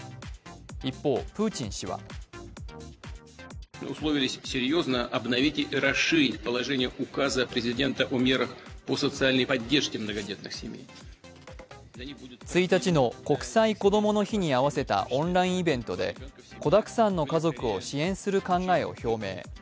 一方、プーチン氏は１日の国際こどもの日に合わせたオンラインイベントで、子だくさんの家族を支援する考えを表明。